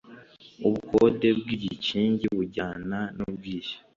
Ubukode bw igikingi bujyana n ubwishyu